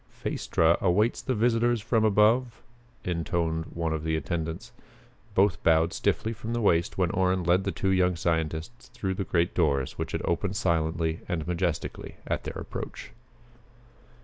"Phaestra awaits the visitors from above," intoned one of the attendants. Both bowed stiffly from the waist when Orrin led the two young scientists through the great doors which had opened silently and majestically at their approach.